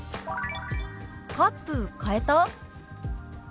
「カップ変えた？」。